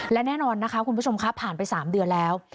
และแน่นอนนะคะคุณผู้ชมครับผ่านไป๓เดือนแล้ว